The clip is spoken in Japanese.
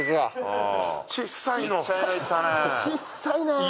小さいなあ。